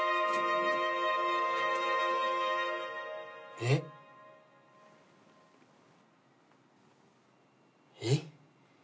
えっ？えっ？